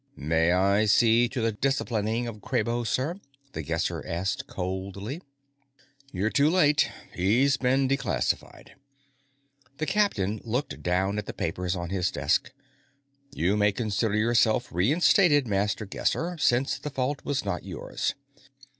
"May I see to the disciplining of Kraybo, sir?" The Guesser asked coldly. "You're too late. He's been declassified." The captain looked down at the papers on his desk. "You may consider yourself reinstated, Master Guesser, since the fault was not yours.